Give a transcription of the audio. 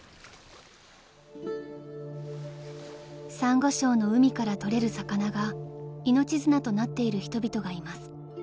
［サンゴ礁の海から取れる魚が命綱となっている人々がいます］